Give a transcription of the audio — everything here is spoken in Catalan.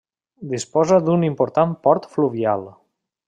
Disposa d'un important port fluvial.